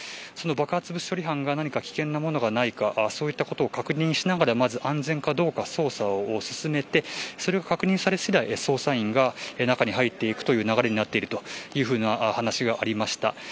爆発物処理班が何か危険なものがないかそういったことを確認しながらまず安全かどうか捜査を進めてそれが確認され次第、捜査員が中に入っていく流れになっているという話がありました。